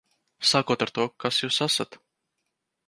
Sākot ar to, kas jūs esat.